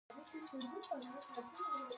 پیلوټ د وطن سره مینه لري.